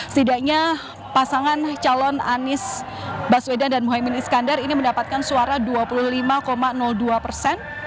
setidaknya pasangan calon anies baswedan dan muhaymin iskandar ini mendapatkan suara dua puluh lima dua persen